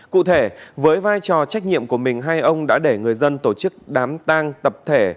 cụ thể với vai trò trách nhiệm của mình hai ông đã để người dân tổ chức đám tang tập thể